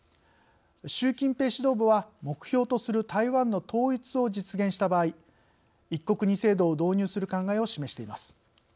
習近平指導部は目標とする台湾の「統一」を実現した場合「一国二制度」を導入する考えを示しています。